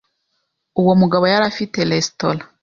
Uwo mugabo yari afite resitora